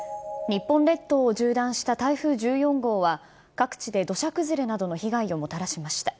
日本列島を縦断した台風１４号は、各地で土砂崩れなどの被害をもたらしました。